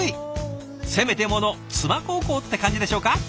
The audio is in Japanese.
せめてもの妻孝行って感じでしょうか？